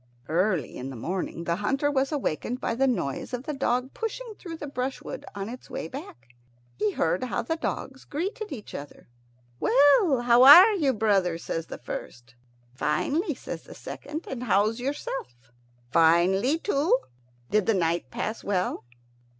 Early in the morning the hunter was awakened by the noise of the dog pushing through the brushwood on its way back. He heard how the dogs greeted each other. "Well, and how are you, brother?" says the first. "Finely," says the second; "and how's yourself?" "Finely too. Did the night pass well?"